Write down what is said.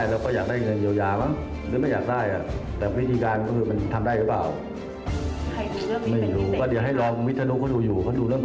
เราตรวจสอบเท่ากันเป็นจริง